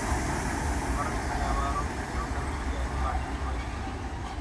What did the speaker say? ورت ريا وارو سنۮر اُوڄان ني واٽ زوئي سي